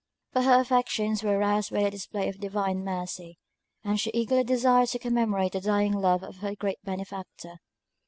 But her affections were roused by the display of divine mercy; and she eagerly desired to commemorate the dying love of her great benefactor.